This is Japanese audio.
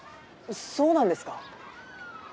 そうなんですか？